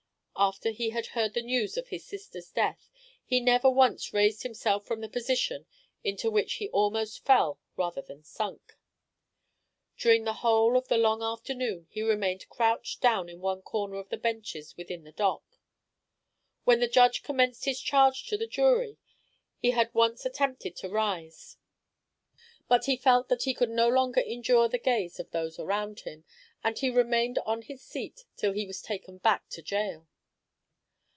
After he had heard the news of his sister's death he never once raised himself from the position into which he almost fell rather than sunk. During the whole of the long afternoon he remained crouched down in one corner of the benches within the dock. When the judge commenced his charge to the jury, he had once attempted to rise; but he felt that he could no longer endure the gaze of those around him, and he remained on his seat till he was taken back to gaol.